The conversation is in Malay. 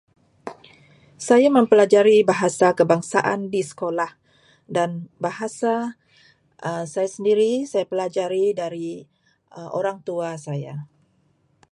Saya mempelajari bahasa kebangsaan di sekolah dan bahasa saya sendiri saya pelajari daripada orang tua saya.